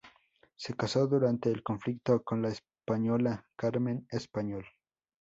Se casó durante el conflicto con la española Carmen Español.